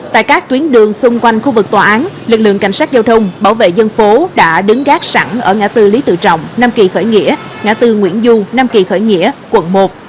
tại các tuyến đường xung quanh khu vực tòa án lực lượng cảnh sát giao thông bảo vệ dân phố đã đứng gác sẵn ở ngã tư lý tự trọng nam kỳ khởi nghĩa ngã tư nguyễn du nam kỳ khởi nghĩa quận một